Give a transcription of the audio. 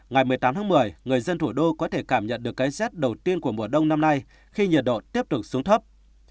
ngày một mươi tám tháng một mươi người dân thủ đô có thể cảm nhận được cái rét đầu tiên của mùa đông năm nay khi nhiệt độ tiếp tục xuống thấp